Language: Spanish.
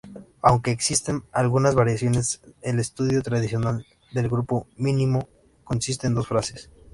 Aunque existen algunas variaciones, el estudio tradicional del grupo mínimo consiste en dos fases.